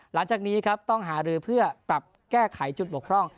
หลังจากนี้ครับต้องหารือเพื่อปรับแก้ไขจุดบกพร่อง